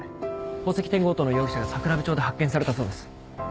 宝石店強盗の容疑者が桜部町で発見されたそうです。